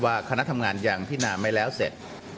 คณะทำงานยังพินาไม่แล้วเสร็จ